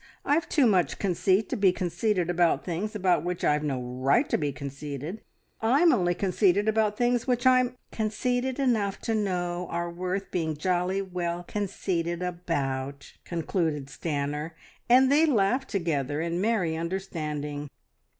I've too much conceit to be conceited about things about which I've no right to be conceited. I'm only conceited about things about which I'm " "Conceited enough to know are worth being jolly well conceited about," concluded Stanor, and they laughed together in merry understanding.